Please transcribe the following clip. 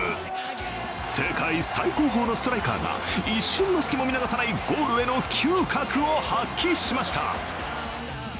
世界最高峰のストライカーが一瞬の隙も見逃さないゴールへの嗅覚を発揮しました。